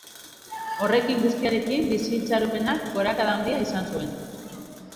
Horrekin guztiarekin, bizi-itxaropenak gorakada handia izan zuen.